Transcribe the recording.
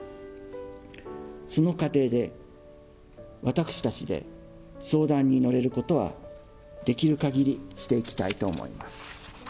その過程で、私たちで相談に乗れることは、できるかぎりしていきたいと思います。